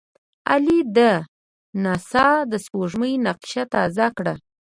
عالي ده! ناسا د سپوږمۍ نقشه تازه کړه.